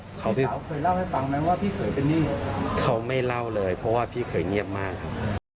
เขาเคยเล่าให้ฟังไหมว่าพี่เคยเป็นหนี้เขาไม่เล่าเลยเพราะว่าพี่เคยเงียบมากครับ